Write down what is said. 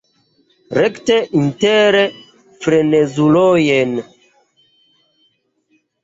Rekte inter frenezulojn.